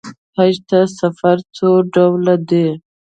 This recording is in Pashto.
حج ته سفر څو ډوله دی.